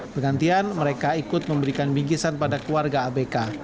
bergantian mereka ikut memberikan bingkisan pada keluarga abk